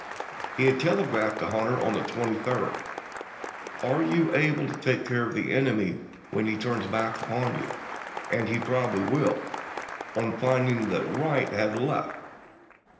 He had telegraphed to Hunter on the 23d, "Are you able to take care of the enemy when he turns back upon you, as he probably will, on ^J}^0 finding that Wright has left?"